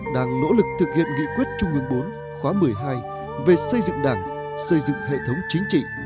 đang nỗ lực thực hiện nghị quyết trung ương bốn khóa một mươi hai về xây dựng đảng xây dựng hệ thống chính trị